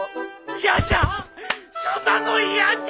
嫌じゃそんなの嫌じゃ！